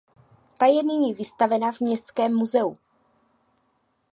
Ta je nyní vystavena v městském muzeu.